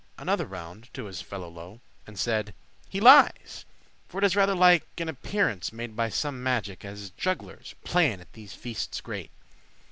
Another rowned* to his fellow low, *whispered And said, "He lies; for it is rather like An apparence made by some magic, As jugglers playen at these feastes great."